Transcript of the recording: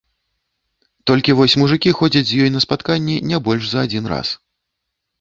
Толькі вось мужыкі ходзяць з ёй на спатканні не больш за адзін раз.